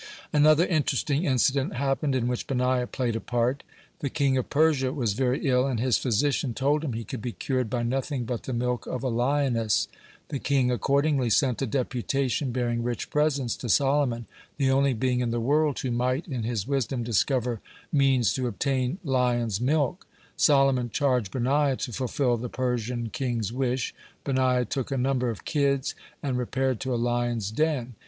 (96) Another interesting incident happened, in which Benaiah played a part. The king of Persia was very ill, and his physician told him he could be cured by nothing but the milk of a lioness. The king accordingly sent a deputation bearing rich presents to Solomon, the only being in the world who might in his wisdom discover means to obtain lion's milk. Solomon charged Benaiah to fulfil the Persian king's wish. Benaiah took a number of kids, and repaired to a lion's den.